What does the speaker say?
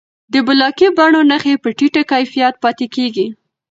د بلاکي بڼو نښې په ټیټه کیفیت پاتې کېږي.